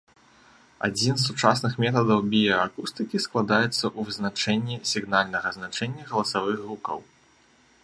Адзін з сучасных метадаў біяакустыкі складаецца ў вызначэнні сігнальнага значэнні галасавых гукаў.